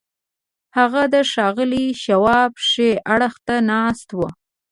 هغه د ښاغلي شواب ښي اړخ ته ناست و.